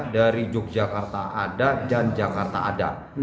dari yogyakarta ada dan jakarta ada